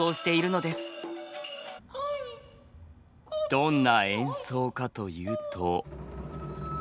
どんな演奏かというと。